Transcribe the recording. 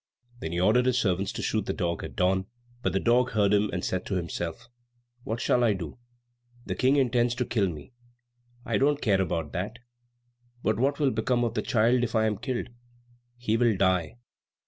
Then he ordered his servants to shoot the dog at dawn, but the dog heard him, and said to himself, "What shall I do? The King intends to kill me. I don't care about that, but what will become of the child if I am killed? He will die.